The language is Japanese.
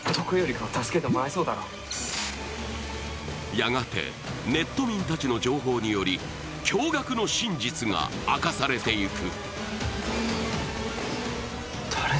やがてネット民たちの情報により驚がくの真実が明かされていく。